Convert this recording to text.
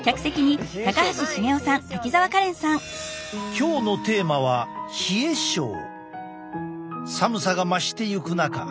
今日のテーマは寒さが増していく中